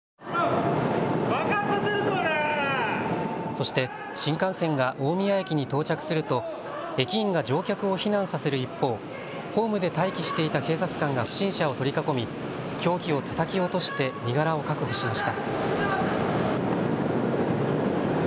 そして新幹線が大宮駅に到着すると駅員が乗客を避難させる一方、ホームで待機していた警察官が不審者を取り囲み、凶器をたたき落として身柄を確保しました。